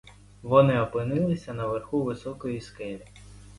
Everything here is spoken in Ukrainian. Вони опинилися на верху високої скелі.